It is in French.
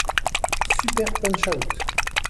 Super Punch-Out!!